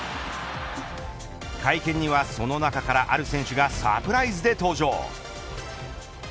会見にはその中からある選手がサプライズで登場。